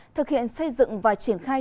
thực hiện xây dựng và triển khai